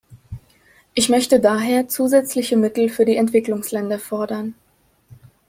Ich möchte daher zusätzliche Mittel für die Entwicklungsländer fordern.